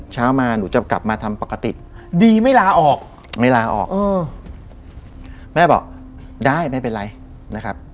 เช้ามาหนูจะกลับมาทำปกติดีไม่ลาออกไม่ลาออกแม่บอกได้ไม่เป็นไรนะครับ